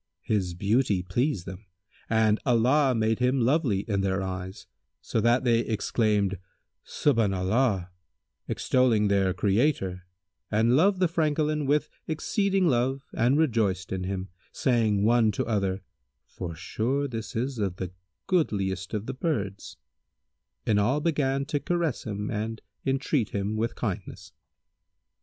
His beauty pleased them and Allah made him lovely in their eyes, so that they exclaimed "Subhбna 'llбh," extolling their Creator and loved the Francolin with exceeding love and rejoiced in him, saying one to other, "Forsure this is of the goodliest of the birds;" and all began to caress him and entreat him with kindness.